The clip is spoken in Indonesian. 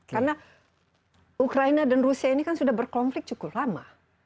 karena ukraina dan rusia ini kan sudah berkonflik cukup lama